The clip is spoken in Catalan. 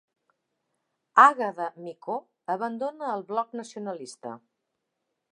Àgueda Micó abandona el Bloc Nacionalista